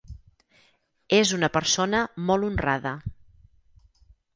És una persona molt honrada.